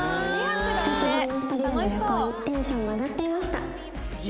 久しぶりの２人での旅行にテンションも上がっていました